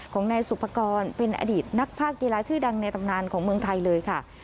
ของนายสุภกรเป็นอดีตนักภาคกีฬาชื่อดังในตำนานของเมืองไทยเลยค่ะ